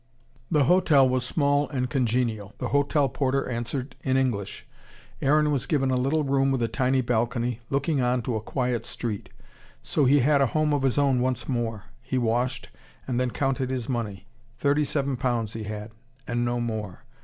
The hotel was small and congenial. The hotel porter answered in English. Aaron was given a little room with a tiny balcony, looking on to a quiet street. So, he had a home of his own once more. He washed, and then counted his money. Thirty seven pounds he had: and no more.